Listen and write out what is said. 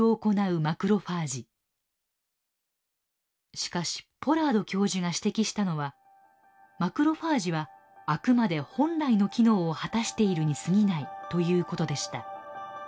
しかしポラード教授が指摘したのはマクロファージはあくまで本来の機能を果たしているにすぎないということでした。